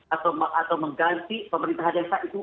atau mengganti pemerintahan yang tak itu